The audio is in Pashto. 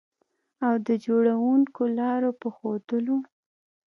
او د جوړوونکو لارو په ښودلو